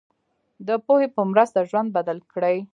د پوهې په مرسته ژوند بدل کړئ.